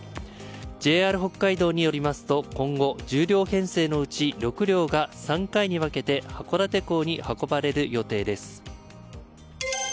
ＪＲ北海道によりますと今後、１０両編成のうち６両が３回に分けて函館港に運ばれる予定です。